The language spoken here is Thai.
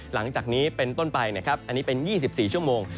หลังจากนี้เป็นต้นไปนะครับอันนี้เป็น๒๔ชั่วโมง